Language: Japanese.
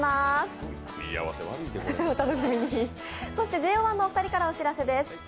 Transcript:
ＪＯ１のお二人からお知らせです。